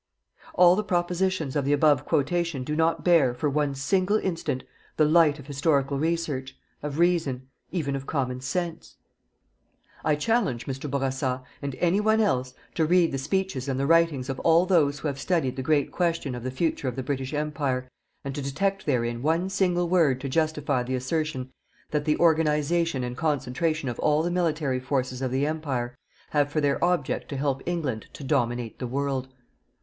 All the propositions of the above quotation do not bear, for one single instant, the light of historical research, of reason, even of common sense. I challenge Mr. Bourassa, and any one else, to read the speeches and the writings of all those who have studied the great question of the future of the British Empire, and to detect therein one single word to justify the assertion _that the organization and concentration of all the Military Forces of the Empire have for their object to help England to dominate the world_.